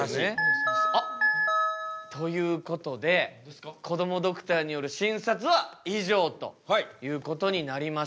あっ！ということでこどもドクターによる診察は以上ということになりました。